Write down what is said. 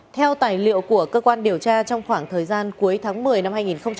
theo tài liệu của cơ quan điều tra trong khoảng thời gian cuối tháng một mươi năm hai nghìn hai mươi